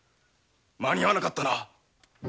間に合わなかったな！